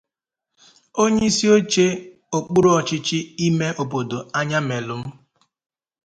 Onyeisioche okpuruọchịchị ime obodo Ayamelụm